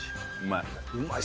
うまい。